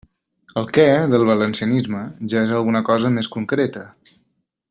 El «què» del valencianisme, ja és alguna cosa més concreta.